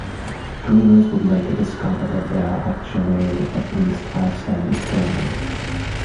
Drillers would later discover that there actually at least five sands present.